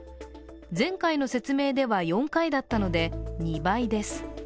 前回の説明では、４回だったので２倍です。